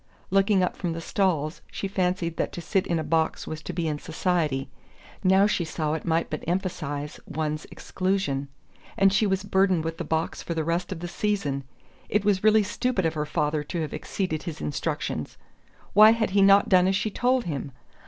Looking up from the stalls, she had fancied that to sit in a box was to be in society now she saw it might but emphasize one's exclusion. And she was burdened with the box for the rest of the season! It was really stupid of her father to have exceeded his instructions: why had he not done as she told him?...